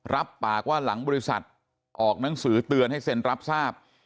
รับปากว่าหลังบริษัทออกหนังสือเตือนให้เซ็นรับทราบ